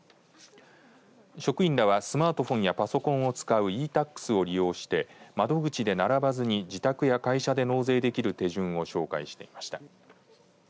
職員らはスマートフォンやパソコンを使うｅ‐Ｔａｘを利用して窓口で並ばずに自宅や会社で納税できる手順を紹介していました。